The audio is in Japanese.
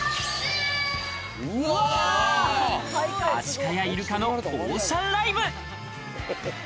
アシカやイルカのオーシャンライブ。